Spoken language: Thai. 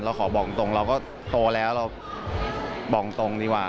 ขอบอกตรงเราก็โตแล้วเราบอกตรงดีกว่า